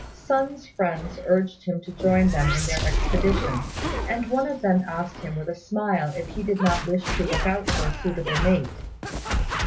Sun's friends urged him to join them in their expedition, and one of them asked him with a smile if he did not wish to look out for a suitable mate.